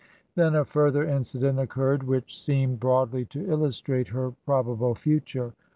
Then a further incident occurred which seemed TRANSITION. 71 broadly to illustrate her probable future.